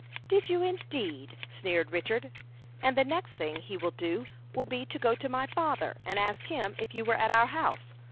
"Did you, indeed?" sneered Richard. "And the next thing he will do will be to go to my father, and ask him if you were at our house.